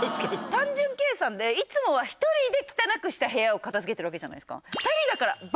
単純計算でいつもは１人で汚くした部屋を片付けてるわけじゃないですか。